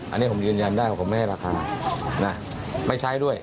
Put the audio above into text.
อันนี้ผมยืนยันได้ว่าผมไม่ให้ราคานะไม่ใช้ด้วย